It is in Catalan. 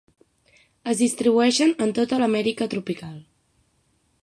Es distribueixen en tota l'Amèrica tropical.